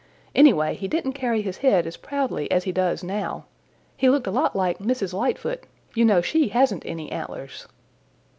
Anyway, he didn't carry his head as proudly as he does now. He looked a lot like Mrs. Lightfoot; you know she hasn't any antlers."